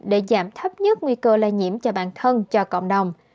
để giảm thấp nhất nguy cơ lây nhiễm cho bản thân cho cộng đồng